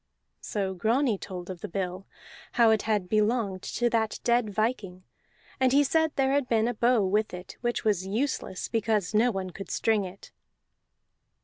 So Grani told of the bill, how it had belonged to that dead viking; and he said there had been a bow with it, which was useless because no one could string it.